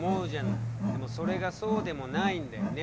でもそれがそうでもないんだよね。